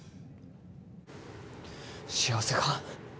幸せか？